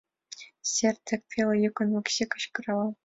Сер дек! — пеле йӱкын Макси кычкыра.